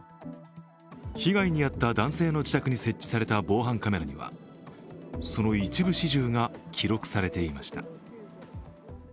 被害に遭った男性の自宅に設置された防犯カメラにはその一部始終が記録されていました。